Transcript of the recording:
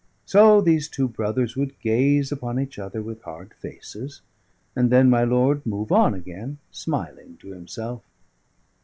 So these two brothers would gaze upon each other with hard faces; and then my lord move on again, smiling to himself.